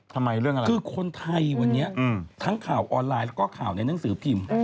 จริงเห็นในอินเตอร์เน็ตคือคนไทยวันนี้ทั้งข่าวออนไลน์แล้วก็ข่าวในหนังสือพิมพ์